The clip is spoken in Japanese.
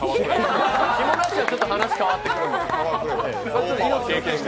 ひもなしじゃ、ちょっと話変わってくるんで。